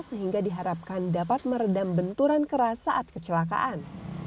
sehingga diharapkan dapat meredam benturan keras saat kecelakaan